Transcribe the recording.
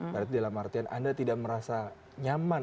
berarti dalam artian anda tidak merasa nyaman